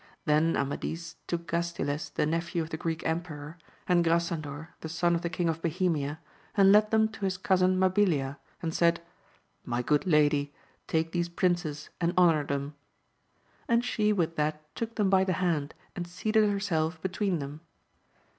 Then Amadis took Gastiles the nephew of the Greek Emperor, and Grasandor the son of the King of Bohemia, and led them to his cousin Mabilia, and said. My good lady, take these princes and honour them : and she with that took them by the hand, and seated herself between them.